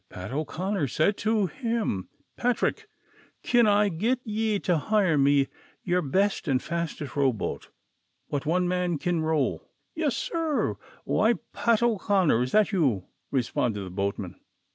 Pat O 'Conner said to him :" Patrick, kin I git ye to hire me yer best and fastest row boat, what one man kin row V "" Yis, sir ; why, Pat O'Conner, is that you ?" responded the boatman.